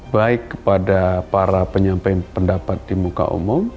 baik kepada para penyampaian pendapat di muka umum